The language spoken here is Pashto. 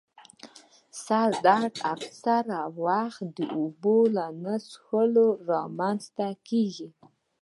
سر درد اکثره وخت د اوبو نه څیښلو رامنځته کېږي.